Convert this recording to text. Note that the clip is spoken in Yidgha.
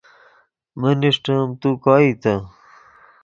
من اݰٹیم تو کوئیتے